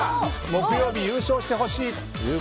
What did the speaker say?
木曜日、優勝してほしい